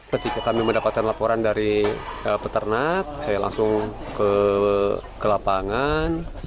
ketika kami mendapatkan laporan dari peternak saya langsung ke lapangan